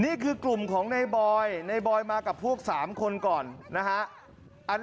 นี่คือกลุ่มของในบอยในบอยมากับพวก๓คนก่อนนะฮะ